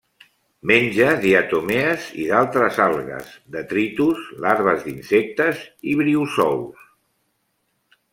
Menja diatomees i d'altres algues, detritus, larves d'insectes i briozous.